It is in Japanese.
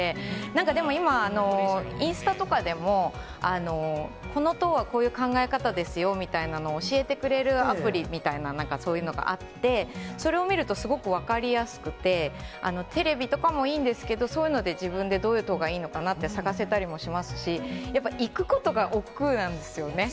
なんかでも今、インスタとかでも、この党はこういう考え方ですよみたいな、教えてくれるアプリみたいな、そういうのがあって、それを見ると、すごく分かりやすくて、テレビとかもいいんですけど、そういうので自分でどういう党がいいのかなって探せたりもしますし、やっぱ行くことがおっくうなんですよね。